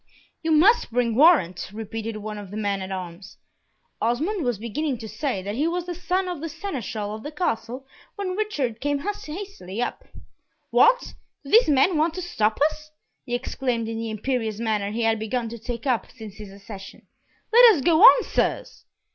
"You must bring warrant," repeated one of the men at arms. Osmond was beginning to say that he was the son of the Seneschal of the Castle, when Richard came hastily up. "What? Do these men want to stop us?" he exclaimed in the imperious manner he had begun to take up since his accession. "Let us go on, sirs."